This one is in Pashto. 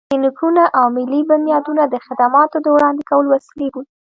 کلينيکونه او ملي بنيادونه د خدماتو د وړاندې کولو وسيلې بولو.